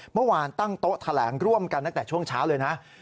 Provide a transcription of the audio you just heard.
เมื่อวานตั้งโต๊ะแถลงร่วมกันตั้งแต่ช่วงเช้าเลยนะ